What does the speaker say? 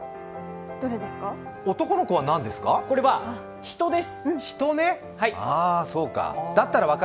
男の子は何ですか？